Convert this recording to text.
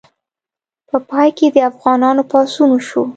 په پای کې د افغانانو پاڅون وشو.